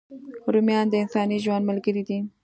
رومیان د انساني ژوند ملګري دي